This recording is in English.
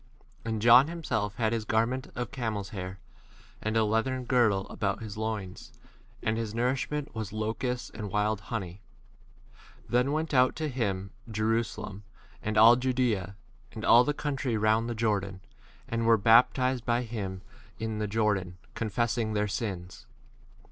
And John himself had his garment of camel's hair, and a leathern girdle about his loins, and his nourishment was locusts and wild honey. 5 Then went out to him Jerusa lem, and all Judea, and all the 6 country round the Jordan, and were baptized by hfm in the Jor MATTHEW III, IV. dan, confessing their sins.